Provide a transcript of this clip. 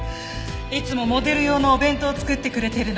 いつもモデル用のお弁当を作ってくれてるの。